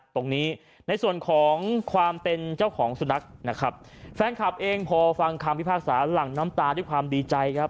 ในส่วนของความเป็นเจ้าของสุนัขนะครับแฟนคลับเองพอฟังคำพิพากษาหลั่งน้ำตาด้วยความดีใจครับ